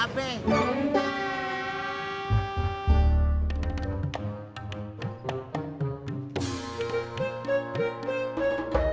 sampai jumpa di video selanjutnya